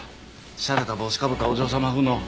しゃれた帽子かぶったお嬢様風の。